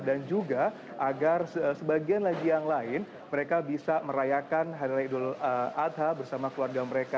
dan juga agar sebagian lagi yang lain mereka bisa merayakan hari raya idul adha bersama keluarga mereka